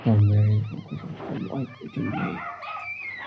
Flowering mainly occurs from April to May.